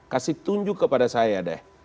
kasih tunjuk kepada saya deh